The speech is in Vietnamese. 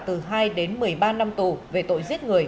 từ hai đến một mươi ba năm tù về tội giết người